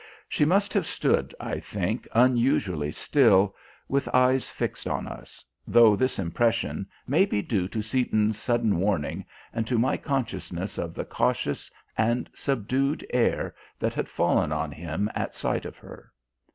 She must have stood, I think, unusually still, with eyes fixed on us, though this impression may be due to Seaton's sudden warning and to my consciousness of the cautious and subdued air that had fallen on him at sight of her.